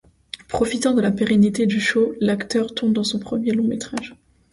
Profitant de la pérennité du show, l'acteur tourne dans son premier long-métrage.